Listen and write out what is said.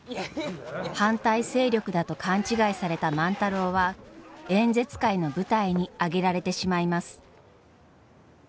反対勢力だと勘違いされた万太郎は演説会の舞台に上げられてしまいます。